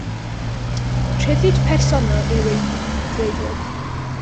Rhyddid personol yw ei freuddwyd.